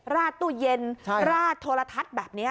ราดตู้เย็นราดโทรทัศน์แบบนี้